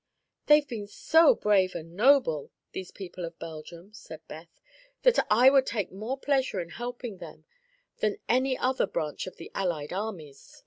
"They've been so brave and noble, these people of Belgium," said Beth, "that I would take more pleasure in helping them than any other branch of the allied armies."